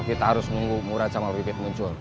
kita harus nunggu murad sama wipit muncul